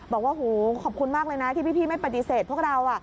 บอกว่าโหขอบคุณมากเลยนะที่พี่ไม่ปฏิเสธพวกเรา